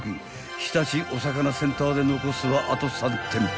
［日立おさかなセンターで残すはあと３店舗］